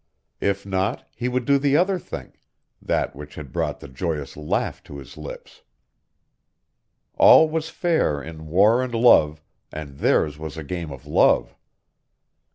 If not he would do the other thing that which had brought the joyous laugh to his lips. All was fair in war and love, and theirs was a game of love.